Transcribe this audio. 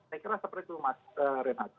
saya kira seperti itu mas renat